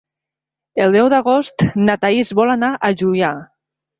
El deu d'agost na Thaís vol anar a Juià.